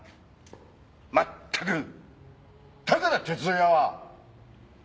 まったくだから鉄道屋は。